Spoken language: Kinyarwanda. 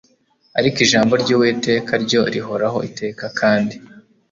ariko ijambo ry uwiteka ryo rihoraho iteka kandi